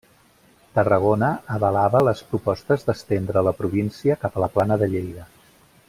Tarragona avalava les propostes d'estendre la província cap a la plana de Lleida.